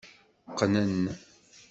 Qqnen.